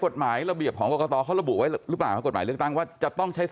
ซอยนี้สีเหลืองนะ